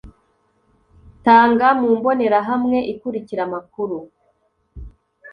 tanga mu mbonerahamwe ikurikira amakuru